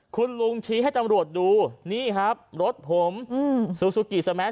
คุณลุงชี้ให้ตำรวจดูนี่ครับรถผมซูซูกิสแมท